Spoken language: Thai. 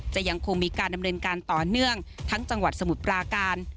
ยังคงมีการดำเนินการต่อเนื่องทั้งจังหวัดสมุทรปราการ